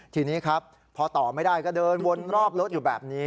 ทีนี้ครับพอต่อไม่ได้ก็เดินวนรอบรถอยู่แบบนี้